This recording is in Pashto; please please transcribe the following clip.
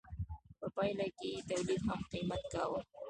په پایله کې یې تولید هم قیمت کاوه.